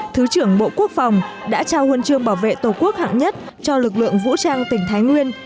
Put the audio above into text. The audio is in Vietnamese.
thứ trưởng bộ quốc phòng đã trao huân chương bảo vệ tổ quốc hạng nhất cho lực lượng vũ trang tỉnh thái nguyên